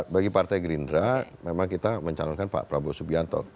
bagi partai gerindra memang kita mencalonkan pak prabowo subianto